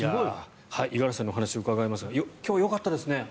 五十嵐さんの話を伺いますが今日はよかったですね。